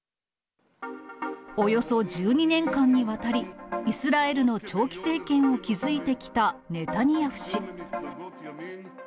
およそ１２年間にわたり、イスラエルの長期政権を築いてきたネタニヤフ氏。